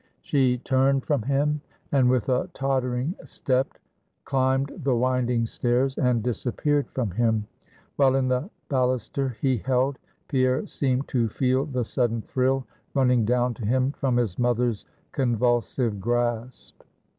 She turned from him, and with a tottering step climbed the winding stairs, and disappeared from him; while in the balluster he held, Pierre seemed to feel the sudden thrill running down to him from his mother's convulsive grasp.